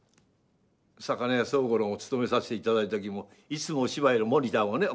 「魚屋宗五郎」をつとめさしていただいた時もいつもお芝居のモニターをね。